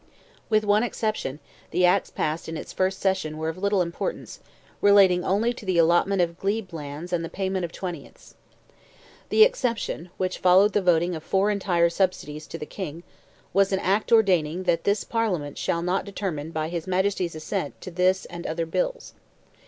With one exception, the acts passed in its first session were of little importance, relating only to the allotment of glebe lands and the payment of twentieths. The exception, which followed the voting of four entire subsidies to the King, was an Act ordaining "that this Parliament shall not determine by his Majesty's assent to this and other Bills."